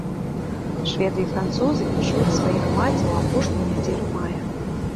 Шведы і французы віншуюць сваіх маці ў апошнюю нядзелю мая.